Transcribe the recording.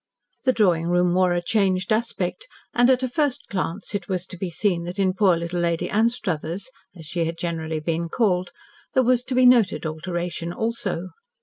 The drawing room wore a changed aspect, and at a first glance it was to be seen that in poor little Lady Anstruthers, as she had generally been called, there was to be noted alteration also.